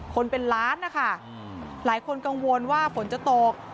คนเป็นล้านนะคะหลายคนกังวลว่าฝนจะตก